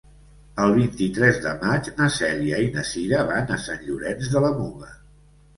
El vint-i-tres de maig na Cèlia i na Cira van a Sant Llorenç de la Muga.